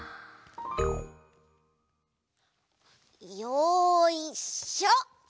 よいしょ！